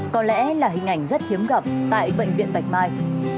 có lẽ là hình ảnh rất hiếm gặp tại bệnh viện bạch mai